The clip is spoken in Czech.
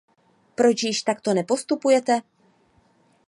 Proč již takto nepostupujete?